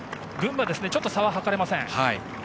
ちょっと差は測れません。